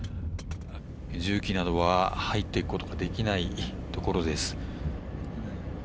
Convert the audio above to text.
重機などは入っていくこともできないところです。